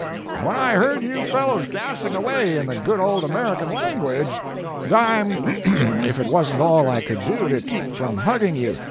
And when I heard you fellows gassing away in the good old American language, I'm if it wasn't all I could do to keep from hugging you!